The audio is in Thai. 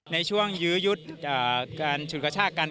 ในช่วงยื้อยุดการฉุดกระชากัน